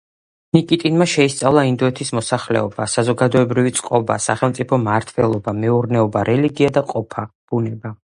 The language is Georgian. ნიკიტინმა შეისწავლა ინდოეთის მოსახლეობა, საზოგადოებრივი წყობა, სახელმწიფო მმართველობა, მეურნეობა, რელიგია და ყოფა, ბუნება.